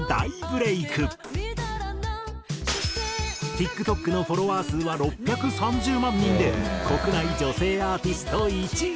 ＴｉｋＴｏｋのフォロワー数は６３０万人で国内女性アーティスト１位。